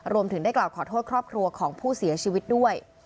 รวมถึงได้กล่าวขอโทษครอบครัวของผู้เสียชีวิตด้วย